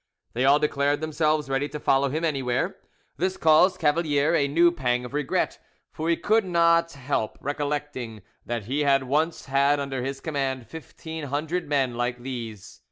They all declared themselves ready to follow him anywhere. This caused Cavalier a new pang of regret, for he could not help recollecting that he had once had under his command fifteen hundred men like these.